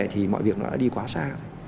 thì mọi việc nó đã đi quá xa